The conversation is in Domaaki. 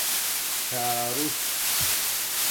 چُھݸرس